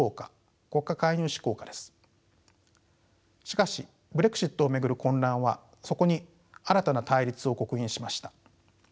しかしブレグジットを巡る混乱はそこに新たな対立を刻印しました。